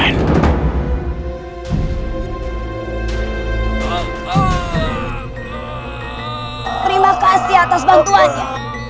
terima kasih atas bantuannya